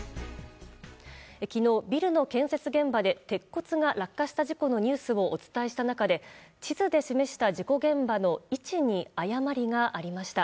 昨日、ビルの建設現場で鉄骨が落下した事故のニュースをお伝えした中で地図で示した現場の位置に誤りがありました。